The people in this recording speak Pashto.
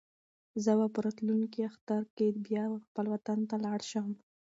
زه به په راتلونکي اختر کې بیا خپل وطن ته لاړ شم.